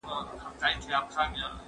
کوم قوانین ډیر مهم دي؟